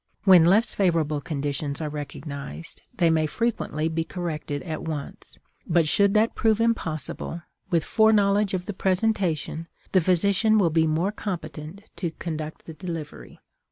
When less favorable conditions are recognized, they may frequently be corrected at once; but should that prove impossible, with foreknowledge of the presentation, the physician will be more competent to conduct the delivery.